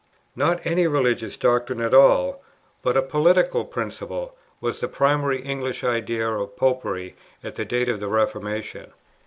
Not any religious doctrine at all, but a political principle, was the primary English idea of "Popery" at the date of the Reformation.